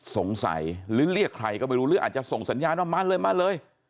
สงสัยหรือเรียกใครก็ไม่รู้หรืออาจจะส่งสัญญาณว่ามาเลยมาเลย